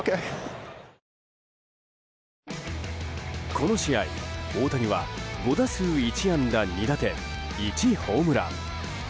この試合、大谷は５打数１安打２打点１ホームラン。